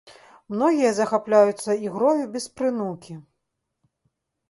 Многія захапляюцца ігрою без прынукі.